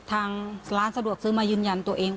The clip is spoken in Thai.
ทางร้านสะดวกซื้อมายืนยันตัวเอง